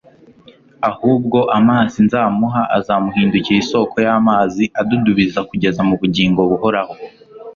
ahubwo amazi nzamuha azamuhindukira isoko y'amazi adudubiza kugeza mu bugingo buhoraho.